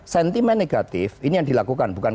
sentimen negatif ini yang dilakukan bukan